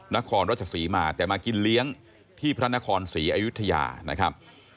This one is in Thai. นครรัชศรีมาแต่มากินเลี้ยงที่พระนครศรีอยุธยานะครับ